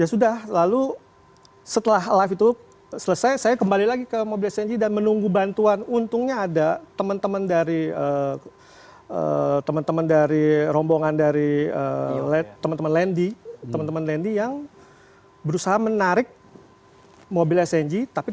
ya sudah lalu setelah live itu selesai saya kembali lagi ke mobil sng dan menunggu bantuan untungnya ada teman teman dari rombongan dari teman teman lendi teman teman lendi yang berusaha menarik mobil sng tapi tidak berhasil sayangnya pak